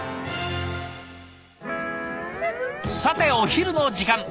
さてお昼の時間。